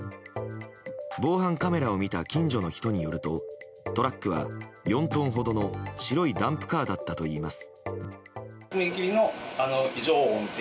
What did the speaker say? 防犯カメラを見た近所の人によるとトラックは４トンほどの白いダンプカーだったといいます。